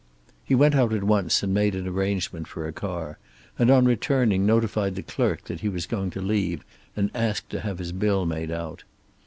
He went out at once and made an arrangement for a car, and on returning notified the clerk that he was going to leave, and asked to have his bill made out.